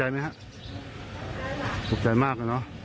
หลัวดับคุณครับ